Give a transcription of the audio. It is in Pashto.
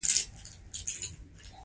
د عمومي ارزښت شکل د پرمختللي شکل ځای ونیو